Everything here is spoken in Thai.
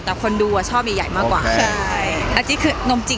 แต่คนดูอ่ะชอบใหญ่ใหญ่มากกว่าอันนี้คือนมจริงค่ะนมจริง